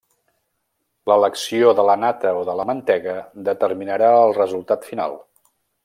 L'elecció de la nata o de la mantega determinarà el resultat final.